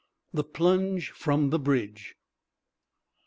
THE PLUNGE FROM THE BRIDGE.